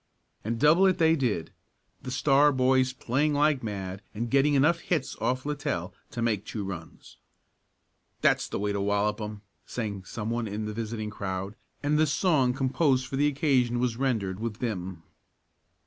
And double it they did, the Star boys playing like mad and getting enough hits off Littell to make two runs. "That's the way to wallop 'em!" sang some one in the visiting crowd and the song composed for the occasion was rendered with vim.